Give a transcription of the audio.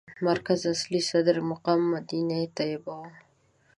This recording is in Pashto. مرکز اصلي صدر مقام مدینه طیبه وه.